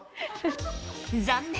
残念！